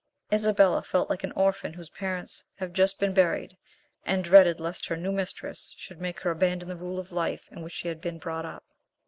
Isabella felt like an orphan whose parents have just been buried, and dreaded lest her new mistress should make her abandon the rule of life in which she had been brought up.